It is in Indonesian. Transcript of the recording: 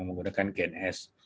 menggunakan gen s